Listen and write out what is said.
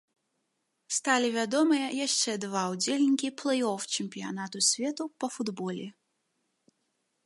Сталі вядомыя яшчэ два ўдзельнікі плэй-оф чэмпіянату свету па футболе.